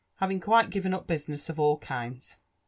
having quite given up business of all kinds."